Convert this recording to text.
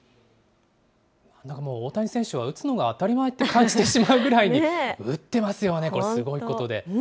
大谷選手はもう打つのが当たり前って感じてしまうぐらいに打ってますよね、これ、すごいことで。